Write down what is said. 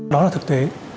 đó là thực tế